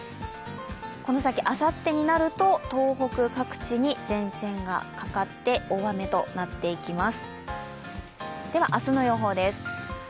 この先、あさってになると、東北各地に前線がかかって大雨となっていきます。